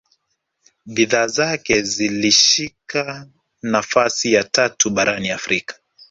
bidhaa zake zilishika nafasi ya tatu barani afrika